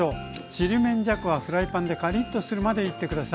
ちりめんじゃこはフライパンでカリっとするまでいって下さい。